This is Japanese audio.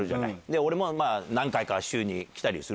俺もまあ、何回か週に来たりする